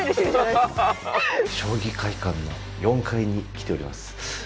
将棋会館の４Ｆに来ております。